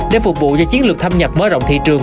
để phục vụ cho chiến lược thâm nhập mở rộng thị trường